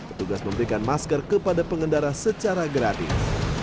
petugas memberikan masker kepada pengendara secara gratis